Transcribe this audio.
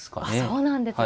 そうなんですね。